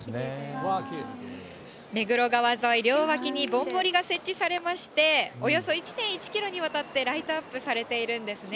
目黒川沿い、両脇にぼんぼりが設置されまして、およそ１．１キロにわたってライトアップされているんですね。